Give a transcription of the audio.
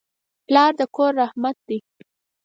پلار د کور رحمت دی.